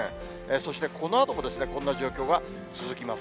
そして、このあともこんな状況が続きます。